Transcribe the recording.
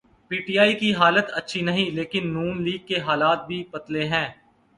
P T I کی حالت اچھی نہیں لیکن نون لیگ کے حالات بھی پتلے ہیں۔